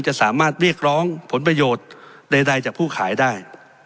จะสามารถเรียกร้องผลประโยชน์ใดจากผู้ขายได้